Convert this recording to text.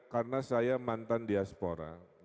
karena saya mantan diaspora